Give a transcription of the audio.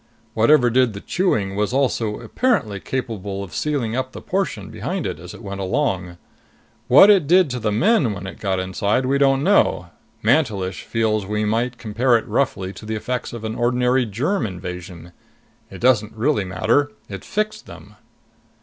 Whatever did the chewing was also apparently capable of sealing up the portion behind it as it went along. What it did to the men when it got inside we don't know. Mantelish feels we might compare it roughly to the effects of ordinary germ invasion. It doesn't really matter. It fixed them."